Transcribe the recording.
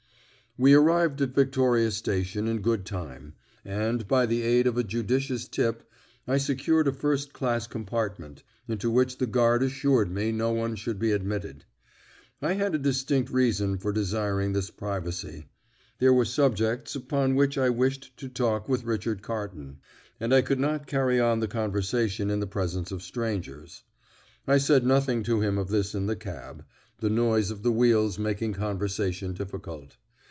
We arrived at Victoria Station in good time, and, by the aid of a judicious tip, I secured a first class compartment, into which the guard assured me no one should be admitted. I had a distinct reason for desiring this privacy. There were subjects upon which I wished to talk with Richard Carton, and I could not carry on the conversation in the presence of strangers. I said nothing to him of this in the cab, the noise of the wheels making conversation difficult.